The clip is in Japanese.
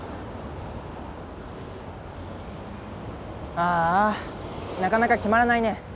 ああなかなか決まらないね。